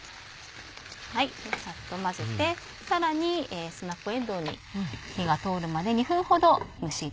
サッと混ぜてさらにスナップえんどうに火が通るまで。